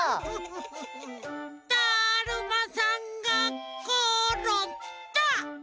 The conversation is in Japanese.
だるまさんがころんだ！